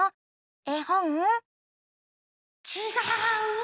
えほん？ちがう。